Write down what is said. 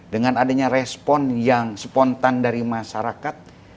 dengan adanya respon yang spontan dari masyarakat